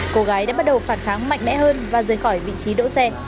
cô gái đã bắt đầu phản kháng mạnh mẽ hơn và rời khỏi vị trí đỗ xe